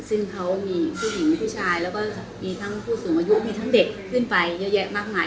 ซึ่งเขามีผู้หญิงมีผู้ชายแล้วก็มีทั้งผู้สูงอายุมีทั้งเด็กขึ้นไปเยอะแยะมากมาย